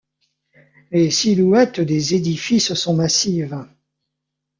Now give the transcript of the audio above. Les silhouettes des édifices sont massives.